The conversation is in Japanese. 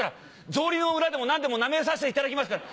草履の裏でも何でもなめさせていただきますから。